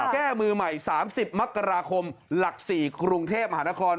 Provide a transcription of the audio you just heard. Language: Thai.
แก้มือใหม่๓๐มกราคมหลัก๔กรุงเทพมหานคร